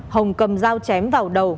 hồng cầm dao chém vào đầu